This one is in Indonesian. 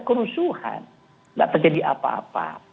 kerusuhan tidak terjadi apa apa